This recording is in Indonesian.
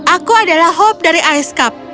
aku adalah hope dari ice cup